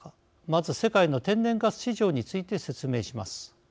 まず、世界の天然ガス市場について説明します。